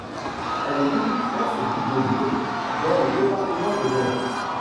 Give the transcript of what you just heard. Elle est limitrophe d'Igoville, dans le département de l'Eure.